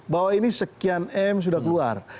bahwa ini sekian m sudah keluar